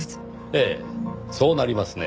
ええそうなりますね。